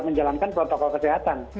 menjalankan protokol kesehatan